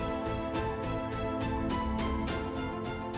hội nghị thượng đỉnh